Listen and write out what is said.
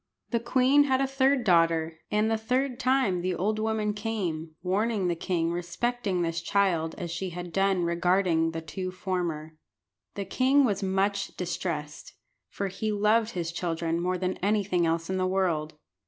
The queen had a third daughter, and the third time the old woman came, warning the king respecting this child as she had done regarding the two former. The king was much distressed, for he loved his children more than anything else in the world.